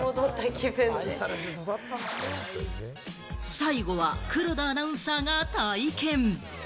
最後は黒田アナウンサーが体験。